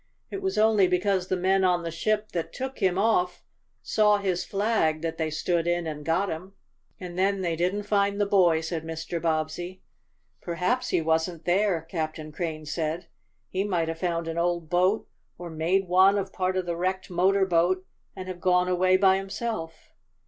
It was only because the men on the ship that took him off saw his flag that they stood in and got him." "And then they didn't find the boy," said Mr. Bobbsey. "Perhaps he wasn't there," Captain Crane said. "He might have found an old boat, or made one of part of the wrecked motor boat, and have gone away by himself."